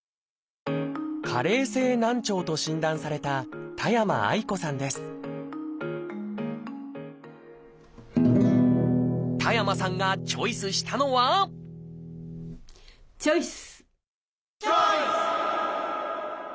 「加齢性難聴」と診断された田山さんがチョイスしたのはチョイス！